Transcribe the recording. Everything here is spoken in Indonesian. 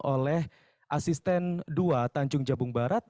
oleh asisten dua tanjung jabung barat